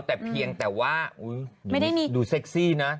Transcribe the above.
แต่เพียงแต่ว่าดูเซ็กซี่นะ